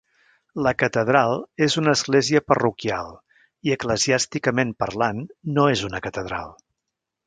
La catedral és una església parroquial i, eclesiàsticament parlant, no és una catedral.